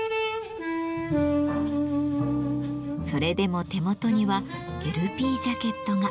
それでも手元にはＬＰジャケットが。